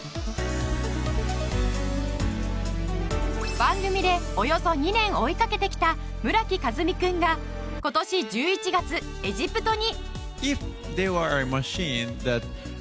番組でおよそ２年追いかけてきた村木風海君が今年１１月エジプトに！